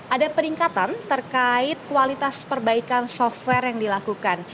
ada peningkatan terkait kualitas perbaikan software yang dilakukan